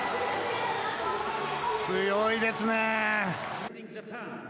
強いですね。